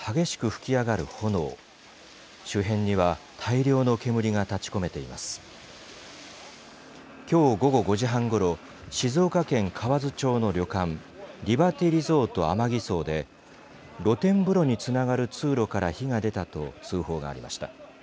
きょう午後５時半ごろ、静岡県河津町の旅館、リバティリゾートＡＭＡＧＩＳＯで、露天風呂につながる通路から火が出たと通報がありました。